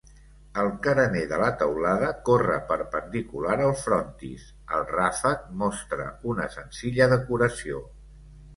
El carener de la teulada corre perpendicular al frontis, el ràfec mostra una senzilla decoració.